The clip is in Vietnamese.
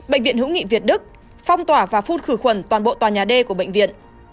bệnh viện hữu nghị việt đức phong tỏa và phun khử khuẩn toàn bộ tòa nhà d của bệnh viện